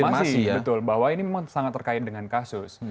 masih betul bahwa ini memang sangat terkait dengan kasus